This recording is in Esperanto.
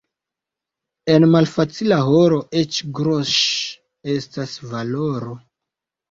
En malfacila horo eĉ groŝ' estas valoro.